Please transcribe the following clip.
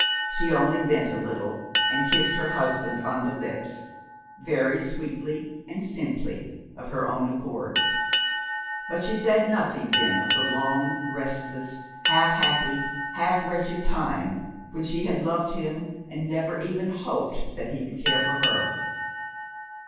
She only bent a little, and kissed her husband on the lips, very sweetly and simply, of her own accord. But she said nothing then of the long, restless, half happy, half wretched time when she had loved him and never even hoped he would care for her.